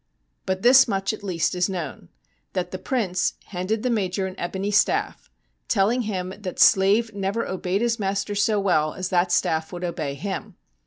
But this much, at least, is known, that the Prince handed the Major an ebony staff, telling him that slave never obeyed his master so well as that staff would obey him.